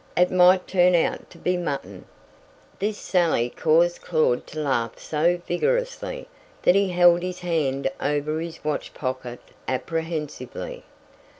It might turn out to be mutton." This sally caused Claud to laugh so vigorously, that he held his hand over his watch pocket apprehensively.